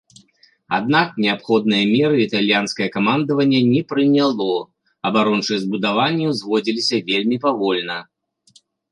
Аднак неабходныя меры італьянскае камандаванне не прыняло, абарончыя збудаванні ўзводзіліся вельмі павольна.